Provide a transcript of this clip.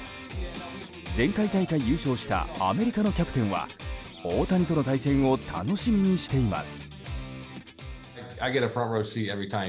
前回大会優勝したアメリカのキャプテンは大谷との対戦を楽しみにしています。